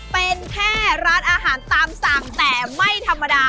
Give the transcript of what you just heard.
เป็นแค่ร้านอาหารตามสั่งแต่ไม่ธรรมดา